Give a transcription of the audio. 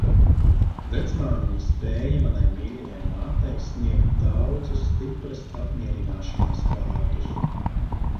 Vecmāmiņa spēja manai mīļajai mātei, sniegt daudzus stipras apmierināšanās vārdus.